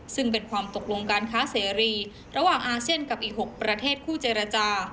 ซึ่งเป็นความตกลงการค้าเสรีระหว่างอาเซียนกับอีก๖ประเทศคู่เจรจา